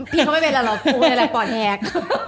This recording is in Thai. พี่เขาไม่เป็นหรอพูดอะไรปอดแท็ก